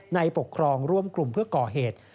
ในปกครองร่วมกลุ่มเพื่อก่อเหตุ